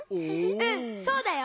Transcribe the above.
うんそうだよ。